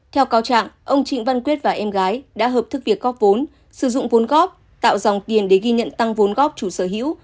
theo cáo trạng ông trịnh văn quyết và em gái đã hợp thức việc góp vốn sử dụng vốn góp tạo dòng tiền để ghi nhận tăng vốn góp chủ sở hữu